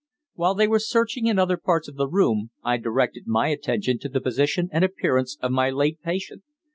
While they were searching in other parts of the room I directed my attention to the position and appearance of my late patient.